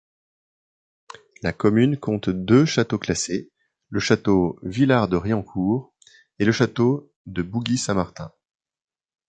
La commune compte deux châteaux classés, le château Villars-de-Riencourt et le château de Bougy-Saint-Martin.